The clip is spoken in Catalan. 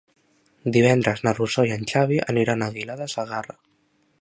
Divendres na Rosó i en Xavi aniran a Aguilar de Segarra.